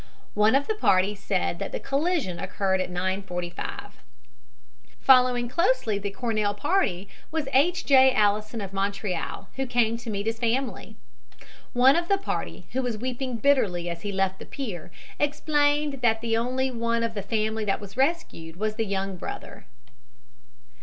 One of the party said that the collision occurred at 9.45. Following closely the Cornell party was H. J. Allison of Montreal, who came to meet his family. One of the party, who was weeping bitterly as he left the pier, explained that the only one of the family that was rescued was the young brother.